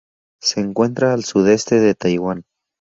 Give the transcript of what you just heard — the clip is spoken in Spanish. Se encuentra al sudeste de Taiwán.